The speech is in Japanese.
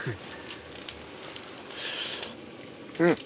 うん！